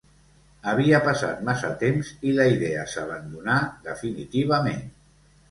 Havia passat massa temps i la idea s'abandonà definitivament.